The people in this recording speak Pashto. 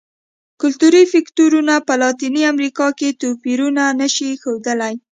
کلتوري فکټورونه په لاتینه امریکا کې توپیرونه نه شي ښودلی.